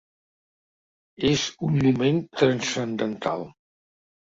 És un moment transcendental.